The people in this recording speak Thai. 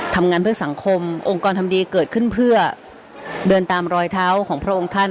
ทำงานเพื่อสังคมองค์กรทำดีเกิดขึ้นเพื่อเดินตามรอยเท้าของพระองค์ท่าน